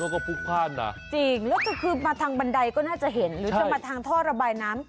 ค่ะจริงแล้วถ้าคือมาทางบันไดก็น่าจะเห็นหรือถ้ามาทางท่อระบายน้ำ